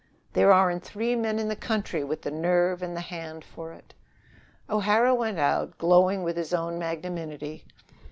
"There aren't three men in the country with the nerve and the hand for it." O'Hara went out, glowing with his own magnanimity.